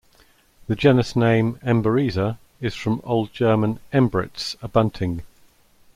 The genus name "Emberiza" is from Old German "Embritz", a bunting.